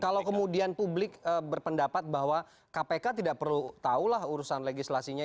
kalau kemudian publik berpendapat bahwa kpk tidak perlu tahulah urusan legislasinya